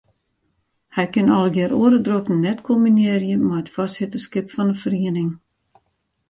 Hij kin allegear oare drokten net kombinearje mei it foarsitterskip fan 'e feriening.